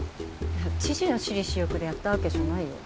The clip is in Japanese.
知事の私利私欲でやったわけじゃないよ。